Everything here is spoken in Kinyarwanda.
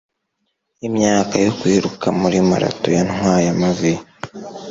Imyaka yo kwiruka muri marato yantwaye amavi.